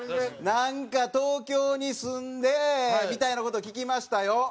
なんか東京に住んでみたいな事を聞きましたよ。